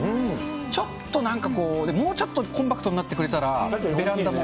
ちょっと、なんかこう、もうちょっとコンパクトになってくれたら、ベランダも。